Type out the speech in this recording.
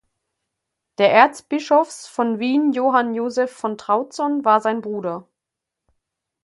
Der Erzbischofs von Wien Johann Joseph von Trautson war sein Bruder.